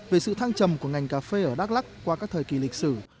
về sự thăng trầm của ngành cà phê ở đắk lắc qua các thời kỳ lịch sử